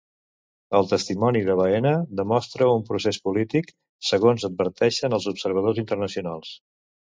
El testimoni de Baena demostra un procés polític, segons adverteixen els observadors internacionals.